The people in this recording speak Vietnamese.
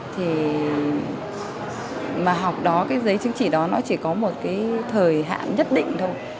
thì mà học đó cái giấy chứng chỉ đó nó chỉ có một cái thời hạn nhất định thôi